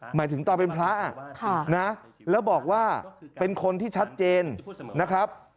หมายถึงตอนเป็นพระแล้วบอกว่าเป็นคนที่ชัดเจนนะครับ